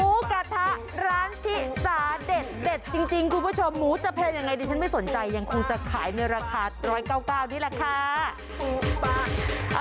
หมูกระทะร้านชิสาเด็ดจริงคุณผู้ชมหมูจะแพงยังไงดิฉันไม่สนใจยังคงจะขายในราคา๑๙๙นี่แหละค่ะ